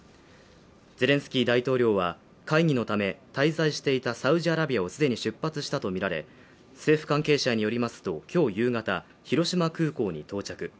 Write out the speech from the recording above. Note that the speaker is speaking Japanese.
ゼレンスキー大統領は会議のため滞在していたサウジアラビアを既に出発したとみられ、政府関係者によりますと、今日夕方、広島空港に到着。